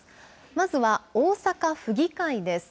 まずは、大阪府議会です。